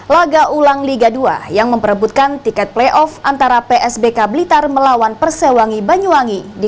laga ulang liga dua yang memperebutkan tiket playoff antara psbk blitar melawan persewangi banyuwangi di